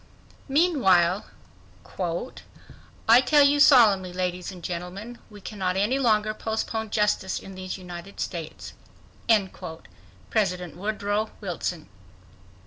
Meanwhile:— "I tell you solemnly, ladies and gentlemen, we cannot any longer postpone justice in these United States"—President Wilson.